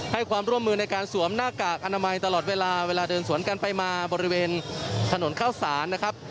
ให้ความร่วมมือในการสวมหน้ากากอนามัยตลอดเวลาเวลาเดินสวนกันไปมาบริเวณถนนเข้าสารนะครับ